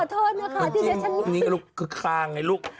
ทุกอาทิตย์ลูก